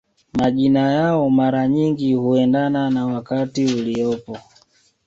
Majina yao mara nyingi huendana na wakati uliopo